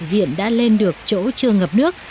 hiện đã lên được chỗ chưa ngập nước